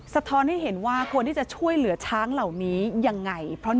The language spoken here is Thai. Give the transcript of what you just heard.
ท้อนให้เห็นว่าควรที่จะช่วยเหลือช้างเหล่านี้ยังไง